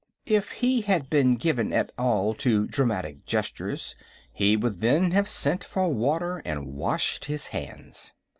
If he had been at all given to dramatic gestures he would then have sent for water and washed his hands.